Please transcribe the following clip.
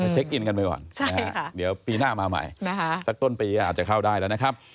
เช็คอินกันไปก่อนเดี๋ยวปีหน้ามาใหม่สักต้นปีอาจจะเข้าได้แล้วนะครับ